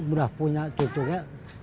udah punya cucunya dua puluh enam